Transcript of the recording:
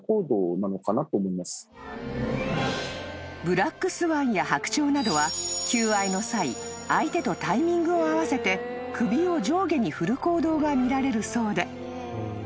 ［ブラックスワンやハクチョウなどは求愛の際相手とタイミングを合わせて首を上下に振る行動が見られるそうで］